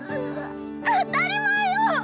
当たり前よ。